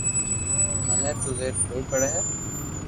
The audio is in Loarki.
مني تو زبر ڪوئي پڙي ھي